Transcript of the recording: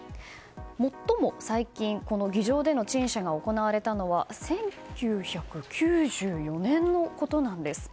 もっとも最近この議場での陳謝が行われたのは１９９４年のことなんです。